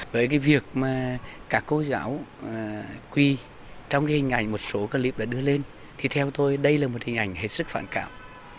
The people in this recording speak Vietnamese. với cái việc mà các cô giáo quy trong cái hình ảnh một số clip đã đưa lên thì theo tôi đây là một hình ảnh hết sức phản cảm